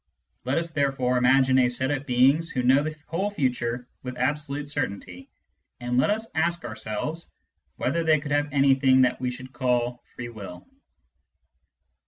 Let us therefore imagine a set of beings who know the whole future with absolute certainty, and let us ask ourselves whether they could have anything that we should call free will.